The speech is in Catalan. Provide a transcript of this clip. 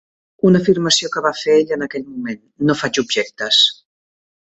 Una afirmació que va fer ella en aquell moment - No faig objectes.